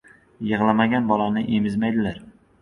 • Yig‘lamagan bolani emizmaydilar.